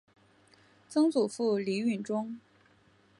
曾祖父李允中。